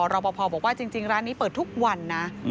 รอปภบอกว่าจริงร้านนี้เปิดทุกวันนะ